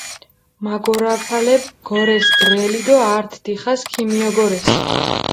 მაგორაფალეფქ გორეს ბრელი დო ართ დიხას ქიმიოგორეს.